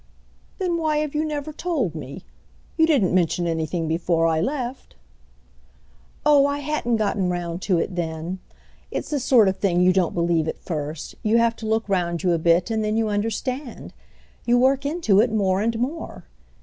"Then why have you never told me? You didn't mention anything before I left." "Oh I hadn't got round to it then. It's the sort of thing you don't believe at first; you have to look round you a bit and then you understand. You work into it more and more.